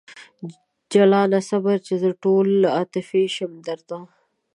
جلانه صبر! چې زه ټوله عاطفي شم درته